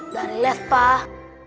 dari les pak